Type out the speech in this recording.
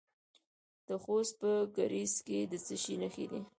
د خوست په ګربز کې د څه شي نښې دي؟